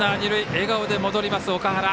笑顔で戻ります、岳原。